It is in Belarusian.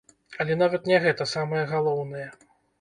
Але нават не гэта самае галоўнае.